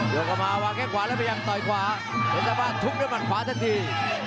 โยกกลับมาวางแค่ขวาแล้วไปยังต่อยขวาเพชรสร้างบ้านทุกด้วยมันขวาทันที